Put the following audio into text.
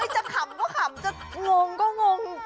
จะขำก็ขำจะงงก็งง